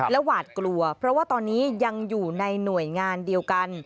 หวาดกลัวเพราะว่าตอนนี้ยังอยู่ในหน่วยงานเดียวกัน